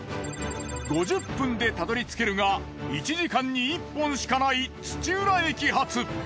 ５０分でたどりつけるが１時間に１本しかない土浦駅発。